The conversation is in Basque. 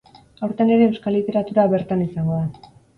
Aurten ere, euskal literatura bertan izango da.